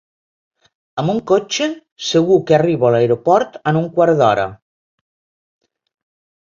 Amb un cotxe segur que arribo a l'aeroport en un quart d'hora.